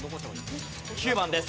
９番です。